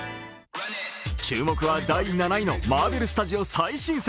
注目は第７位のマーベル・スタジオ最新作。